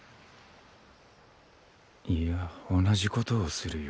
いや同じことをするよ。